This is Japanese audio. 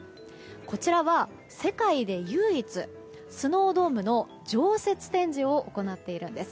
こちらは、世界で唯一スノードームの常設展示を行っているんです。